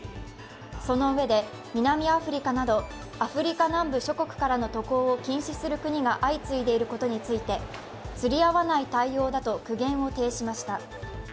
そのうえで南アフリカなどアフリカ南部諸国からの渡航を禁止する国が相次いでいることについて、釣り合わない対応だと苦言を呈しました。